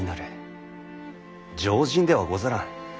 常人ではござらん。